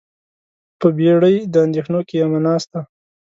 په بیړۍ د اندیښنو کې یمه ناسته